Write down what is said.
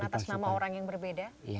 atas nama orang yang berbeda